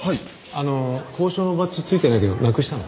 あの校章のバッジついてないけどなくしたの？